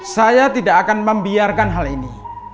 saya tidak akan membiarkan hal ini